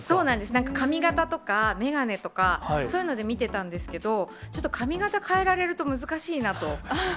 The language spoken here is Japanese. なんか髪形とか、眼鏡とか、そういうので見てたんですけど、ちょっと髪形変えられると、難しいなと。